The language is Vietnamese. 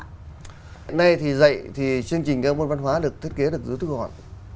hiện nay thì dạy thì chương trình các môn văn hóa được thiết kế được rút gọn